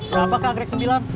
berapa kak anggrek sembilan